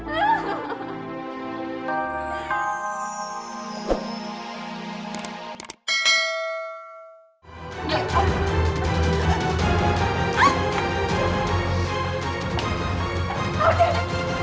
apa gak dijaga sih